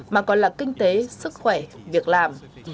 mà còn là kinh tế sức khỏe việc làm